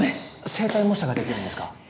声帯模写ができるんですか？